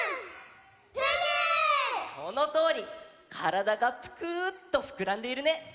からだがぷくっとふくらんでいるね。